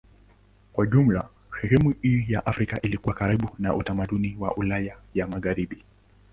Kwa jumla sehemu hii ya Afrika ilikuwa karibu na utamaduni wa Ulaya ya Magharibi.